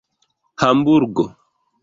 hamburgo